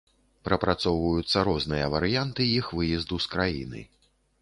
Прапрацоўваюцца розныя варыянты іх выезду з краіны.